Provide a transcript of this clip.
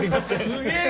「すげえ！